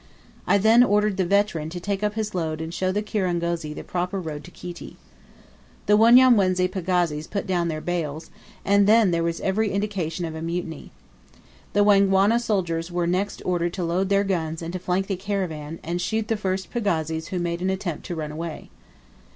I then ordered the veteran to take up his load and show the kirangozi the proper road to Kiti. The Wanyamwezi pagazis put down their bales, and then there was every indication of a mutiny. The Wangwana soldiers were next ordered to load their guns and to flank the caravan, and shoot the first pagazis who made an attempt to run away.